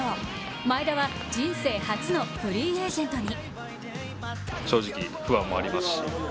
前田は人生初のフリーエージェントに。